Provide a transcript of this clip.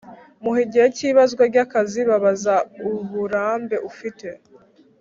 mu gihe cy ibazwa ry akazi babaza uburambe ufite